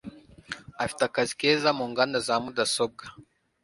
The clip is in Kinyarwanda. afite akazi keza munganda za mudasobwa.